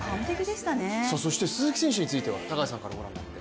そして鈴木選手については高橋さんからご覧になって？